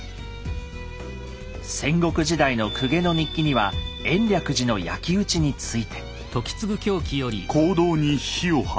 戦国時代の公家の日記には延暦寺の焼き討ちについて。